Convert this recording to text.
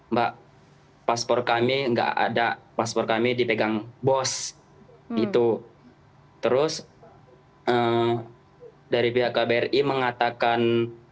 mbak paspor kami enggak ada paspor kami dipegang bos gitu terus dari pihak kbri mengatakan